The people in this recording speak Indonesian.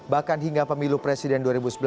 bahkan hingga pemilu presiden dua ribu sembilan belas